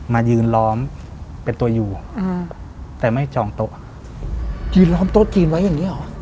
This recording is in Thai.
มายืนล้อมเป็นตัวอยู่แต่ไม่จองโต๊ะยืนล้อมโต๊ะจีนไว้อย่างนี้หรอ